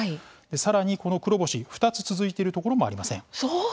さらにこの黒星２つ続いているところもありません。